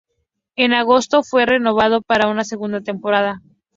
En agosto, fue renovado para una segunda temporada.